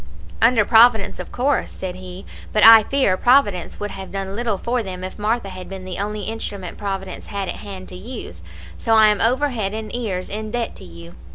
"'Under Providence, of course,' said he; 'but I fear Providence would have done little for them if Martha had been the only instrument Providence had at hand to use, so I am over head and ears in debt to you.'